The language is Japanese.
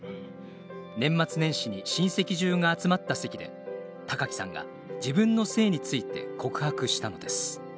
年末年始に親戚中が集まった席で貴毅さんが自分の性について告白したのです。